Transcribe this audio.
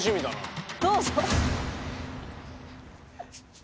どうぞ！